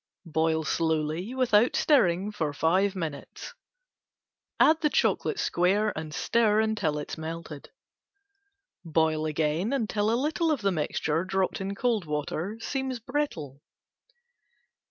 Boil slowly without stirring for five minutes. Add chocolate square and stir until melted. Boil again until a little of mixture dropped in cold water seems brittle.